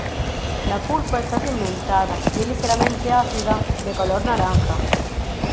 La pulpa está segmentada, y es ligeramente ácida, de color naranja.